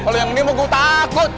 kalau yang ini mau gue takut